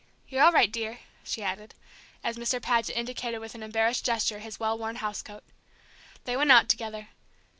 You're all right, dear," she added, as Mr. Paget indicated with an embarrassed gesture his well worn house coat. They went out together.